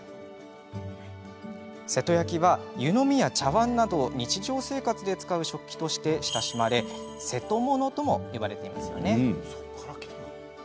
瀬戸焼は、湯飲みや茶わんなど日常生活で使う食器として親しまれ瀬戸物とも呼ばれています。